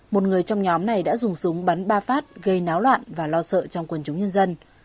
một người trong nhóm này đã dùng súng bắn ba phát gây náo loạn và lo sợ trong quần chúng nhân dân